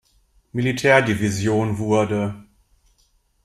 Militärdivision wurde.